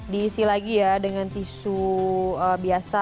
diisi lagi ya dengan tisu biasa